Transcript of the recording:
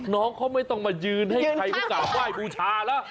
น้องเขาไม่ต้องมายืนให้ใครเขากลับไหว้บูชาแล้ว